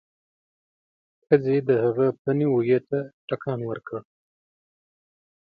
ښځې د هغه پلنې اوږې ته ټکان ورکړ.